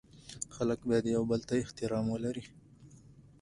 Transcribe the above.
خلګ باید یوبل ته احترام ولري